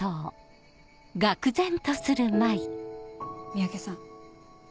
三宅さん。